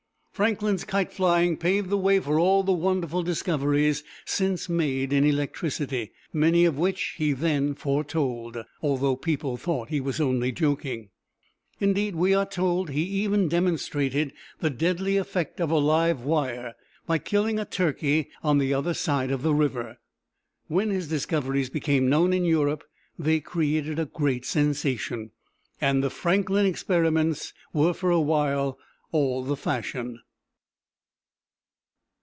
Franklin's kite flying paved the way for all the wonderful discoveries since made in electricity, many of which he then foretold, although people thought he was only joking. Indeed, we are told he even demonstrated the deadly effect of a live wire by killing a turkey on the other side of the river! When his discoveries became known in Europe, they created a great sensation, and the "Franklin experiments" were for a while all the fashion.